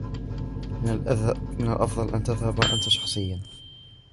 من الأفضل أن تذهب أنت شخصيا.